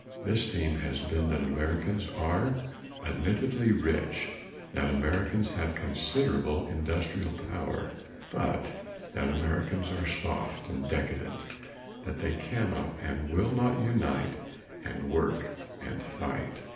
This theme has been that Americans are admittedly rich, that Americans have considerable industrial power but that Americans are soft and decadent, that they cannot and will not unite and work and fight.